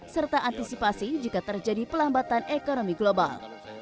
serta antisipasi jika terjadi pelambatan ekonomi global